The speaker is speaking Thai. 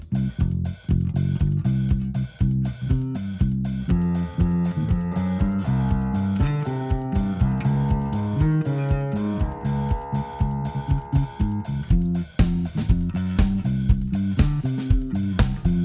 มาถึงเมนูก็ซี่หมี่ครับผมมาอิตาเลียนแล้วมาจีนเลยนะครับ